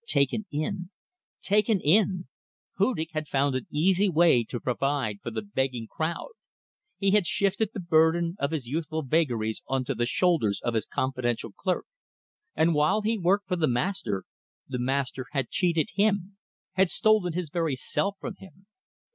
Taken in! taken in! Hudig had found an easy way to provide for the begging crowd. He had shifted the burden of his youthful vagaries on to the shoulders of his confidential clerk; and while he worked for the master, the master had cheated him; had stolen his very self from him.